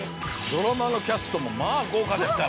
ドラマのキャストも豪華ですから。